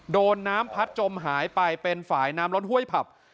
โดนน้ำพัดจมหายไปเป็นฝ่ายน้ำล้นห้วยผับ